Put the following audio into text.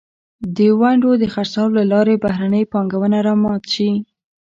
د ونډو د خرڅلاو له لارې بهرنۍ پانګونه را مات شي.